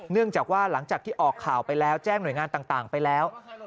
เนื่องจากว่าหลังจากที่ออกข่าวไปแล้วแจ้งหน่วยงานต่างไปแล้ว